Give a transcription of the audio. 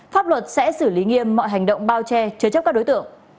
pháp luật sẽ xử lý nghiêm mọi hành động bao che chứa chấp các đối tượng